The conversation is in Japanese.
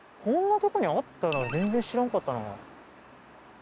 こんなとこにあったの全然知らなかったな。